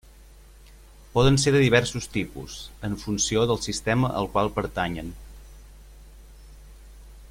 Poden ser de diversos tipus, en funció del sistema al qual pertanyen.